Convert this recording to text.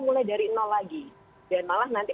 mulai dari nol lagi dan malah nanti